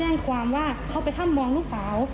เษฤทาง